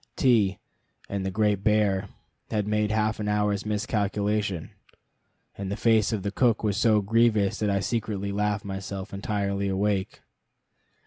T and the Great Bear had made half an hour's miscalculation, and the face of the cook was so grievous that I secretly laughed myself entirely awake.